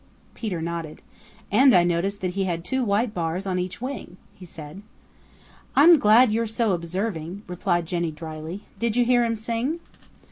Peter nodded. "And I noticed that he had two white bars on each wing," said he. "I'm glad you're so observing," replied Jenny dryly. "Did you hear him sing?"